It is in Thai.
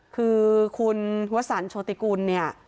คือคุณวสันโชติกุลเนี่ย